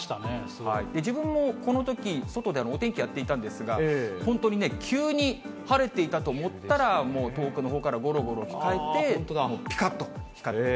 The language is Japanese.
自分もこのとき、外でお天気やっていたんですが、本当に急に晴れていたと思ったら、もう遠くのほうからごろごろぴかっと光って。